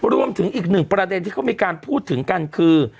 รวมถึงอีกหนึ่งประเด็นที่เขามีการพูดถึงกันคือ